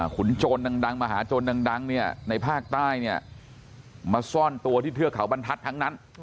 ขุนโจรดังมหาโจรดังเนี่ยในภาคใต้เนี่ยมาซ่อนตัวที่เทือกเขาบรรทัศน์ทั้งนั้น